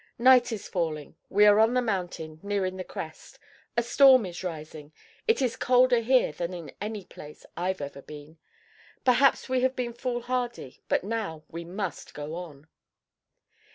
"Night is falling. We are on the mountain, nearing the crest. A storm is rising. It is colder here than in any place I have ever been. Perhaps we have been foolhardy, but now we must go on!"